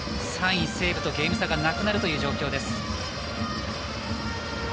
３位西武とゲーム差がなくなる状況です。